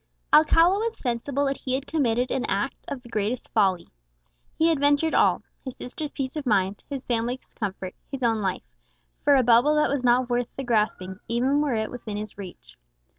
Alcala was sensible that he had committed an act of the greatest folly. He had ventured all his sister's peace of mind, his family's comfort, his own life for a bubble that was not worth the grasping, even were it within his reach.